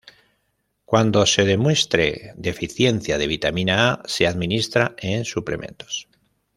Cuando se demuestre deficiencia de vitamina A se administra en suplementos.